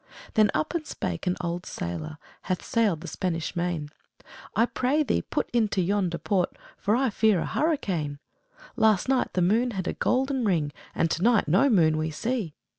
Then up and spake an old sailòr, Had sail'd the Spanish Main, 'I pray thee, put into yonder port, For I fear a hurricane. 'Last night, the moon had a golden ring, And to night no moon we see!'